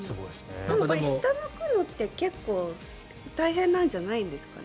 これ下向くのって結構、大変なんじゃないんですかね？